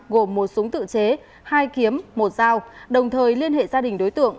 gồm một súng tự chế hai kiếm một dao đồng thời liên hệ gia đình đối tượng